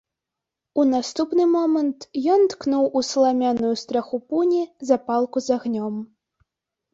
У наступны момант ён ткнуў у саламяную страху пуні запалку з агнём.